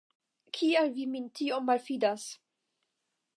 Kial vi min tiom malﬁdas?